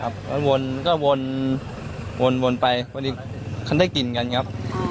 บนนี้เขาได้กินกันครับ